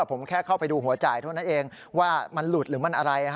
ผมแค่เข้าไปดูหัวจ่ายเท่านั้นเองว่ามันหลุดหรือมันอะไร